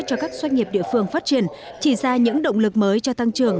cho các doanh nghiệp địa phương phát triển chỉ ra những động lực mới cho tăng trưởng